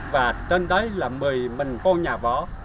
và trên đấy là mười mình con nhà võ